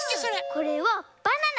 これはバナナ。